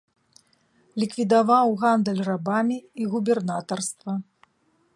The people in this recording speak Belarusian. Ліквідаваў гандаль рабамі і губернатарства.